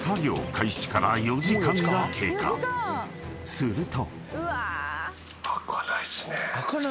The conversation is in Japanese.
［すると］